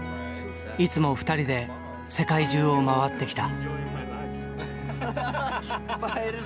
いつも２人で世界中を回ってきた。